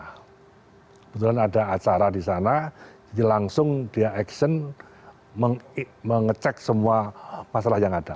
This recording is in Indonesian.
kebetulan ada acara di sana jadi langsung dia action mengecek semua masalah yang ada